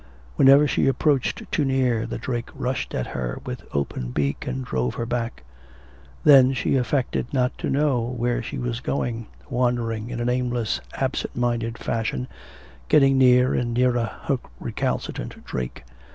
Whenever she approached too near, the drake rushed at her with open beak, and drove her back. Then she affected not to know where she was going, wandering in an aimless, absent minded fashion, getting near and nearer her recalcitrant drake.